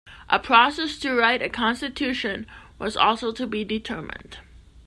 A process to write a constitution was also to be determined.